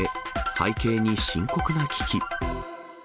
背景に深刻な危機。